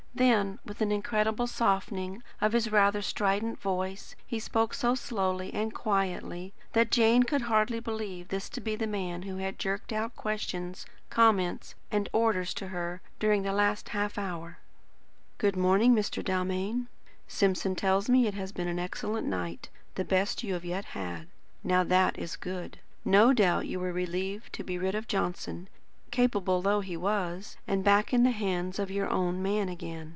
Then, with an incredible softening of his rather strident voice, he spoke so slowly and quietly, that Jane could hardly believe this to be the man who had jerked out questions, comments, and orders to her, during the last half hour. "Good morning, Mr. Dalmain. Simpson tells me it has been an excellent night, the best you have yet had. Now that is good. No doubt you were relieved to be rid of Johnson, capable though he was, and to be back in the hands of your own man again.